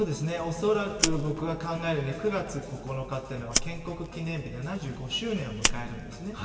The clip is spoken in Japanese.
恐らく僕が考える９月９日っていうのは、建国記念日で７５周年を迎えるんですね。